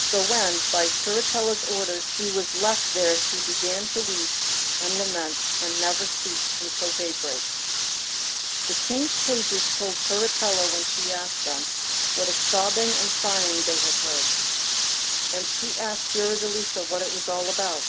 So when, by Turritella's orders, she was left there she began to weep and lament, and never ceased until daybreak. The King's pages told Turritella, when she asked them, what a sobbing and sighing they had heard, and she asked Fiordelisa what it was all about.